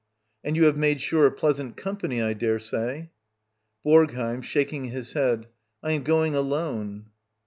] And you have made sure of pleasant company, I dare say. BoRGHEiM. [Shaking his head.] I am going alone.